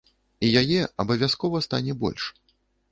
І яе абавязкова стане больш!